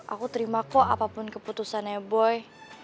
aku terima kok apapun keputusannya boy